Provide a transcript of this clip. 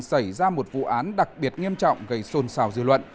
xảy ra một vụ án đặc biệt nghiêm trọng gây xôn xào dư luận